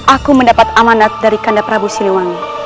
aku mendapat amanat dari kanda prabu siliwangi